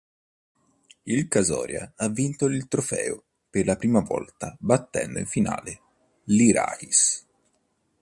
Il Kastoria ha vinto il trofeo per la prima volta, battendo in finale l'Iraklis.